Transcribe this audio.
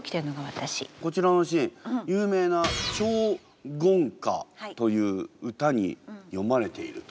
こちらのシーン有名な「長恨歌」という詩に詠まれていると？